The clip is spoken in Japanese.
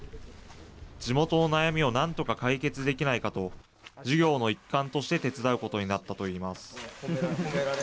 地元の悩みをなんとか解決できないかと、授業の一環として手伝うことになったといいます。